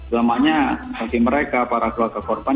selamanya seperti mereka para keluarga korban